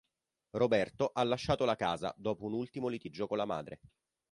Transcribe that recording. Roberto ha lasciato la casa dopo un ultimo litigio con la madre.